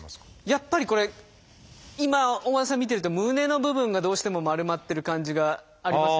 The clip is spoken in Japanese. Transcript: やっぱりこれ今大和田さん見てると胸の部分がどうしても丸まってる感じがありますよね。